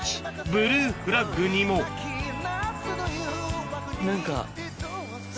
ブルーフラッグにも何か。